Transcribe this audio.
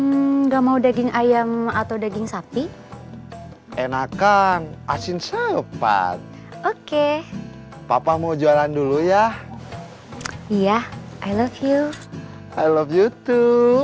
nggak mau daging ayam atau daging sapi enakan asin sepat oke papa mau jualan dulu ya iya i love you